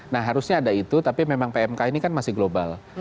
nah harusnya ada itu tapi memang pmk ini kan masih global